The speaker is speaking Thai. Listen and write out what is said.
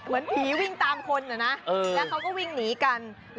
เหมือนผีวิ่งตามคนนะแล้วเขาก็วิ่งหนีกัน